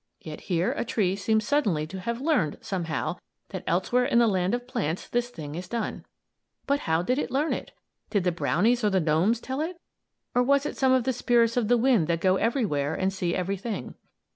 Yet, here a tree seems suddenly to have learned, somehow, that elsewhere in the land of plants this thing is done. But how did it learn it? Did the brownies or the gnomes tell it; or was it some of the spirits of the wind that go everywhere and see everything?